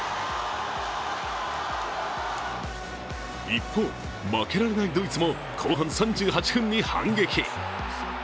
一方、負けられないドイツも後半３８分に反撃。